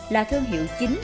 là thương hiệu chính